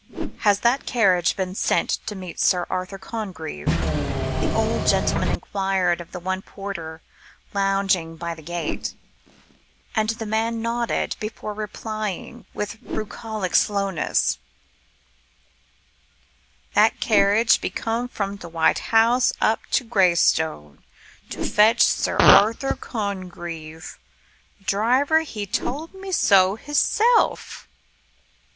"Has that carriage been sent to meet Sir Arthur Congreve?" the old gentleman enquired of the one porter lounging by the gate, and the man nodded before replying with bucolic slowness: "That carriage be come from t' 'White Horse' up to Graystone, to fetch Sir Arthur Congreve. Driver he told me so hisself."